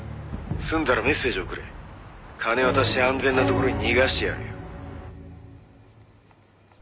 済んだらメッセージ送れ」「金渡して安全な所に逃がしてやるよ」